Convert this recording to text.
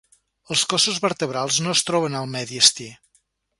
Els cossos vertebrals no es troben al mediastí.